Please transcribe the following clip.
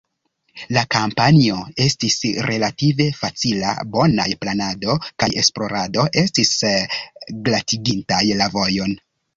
La kampanjo estis relative facila; bonaj planado kaj esplorado estis glatigintaj la vojon.